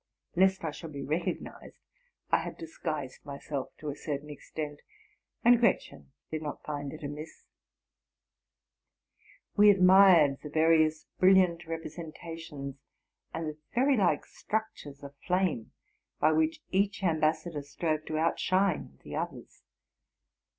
Lest I should be recognized, I had dis guised myself to a certain extent; and Gretchen did not find it amiss. We admired the various brilliant representations and the fairy like structures of flame by which each ambas sador strove to outshine the others.